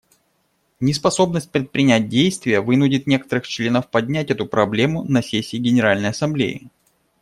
Неспособность предпринять действия вынудит некоторых членов поднять эту проблему на сессии Генеральной Ассамблеи.